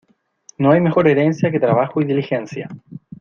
No hay mejor herencia que trabajo y diligencia.